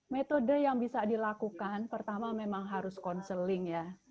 metode yang bisa dilakukan pertama memang harus counseling ya